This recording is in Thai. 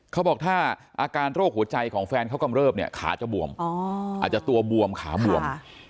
เขาบอกถ้าอาการโรคหัวใจของแฟนเขากำเริบเนี่ยขาจะบวมอาจจะตัวบวมขาบวม